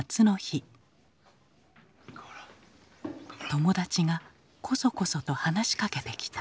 友達がコソコソと話しかけてきた。